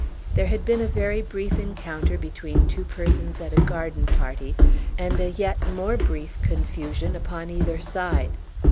There had been a very brief encounter between two persons at a garden party, and a yet more brief confusion upon either side.